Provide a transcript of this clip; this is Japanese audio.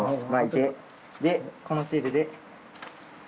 でこのシールで。